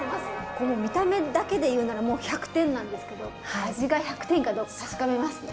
この見た目だけで言うならもう１００点なんですけど味が１００点かどうか確かめますね。